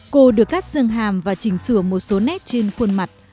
cô được cắt dương hàm và chỉnh sửa một số nét trên khuôn mặt